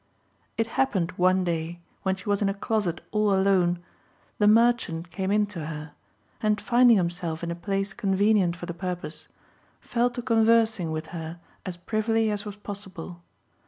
It happened one day, when she was in a closet all alone, the merchant came in to her, and finding himself in a place convenient for the purpose, fell to conversing with her as privily as was possible.